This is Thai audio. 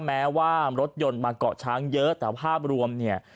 แม้ว่ารถยนต์มาเกาะช้างเยอะแต่ภาพรวมเนี่ย